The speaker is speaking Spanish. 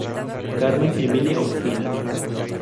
Carmen Emilia Ospina.